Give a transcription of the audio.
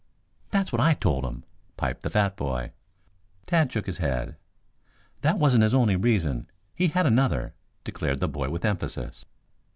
"That's what I told him," piped the fat boy. Tad shook his head. "That wasn't his only reason. He had another," declared the boy with emphasis.